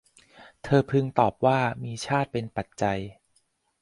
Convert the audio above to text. เธอพึงตอบว่า มีชาติเป็นปัจจัย